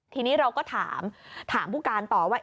ทีนี้เราก็ถามถามผู้การต่อว่า